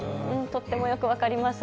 とってもよく分かります。